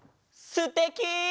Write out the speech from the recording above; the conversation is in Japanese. すてき！